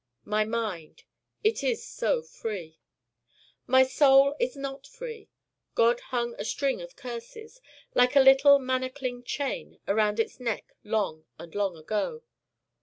my Mind it is so free My Soul is not free: God hung a string of curses, like a little manacling chain, round its neck long and long ago.